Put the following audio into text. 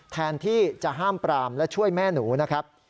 แทนที่จะห้ามปรามและช่วยแม่หนูนะครับ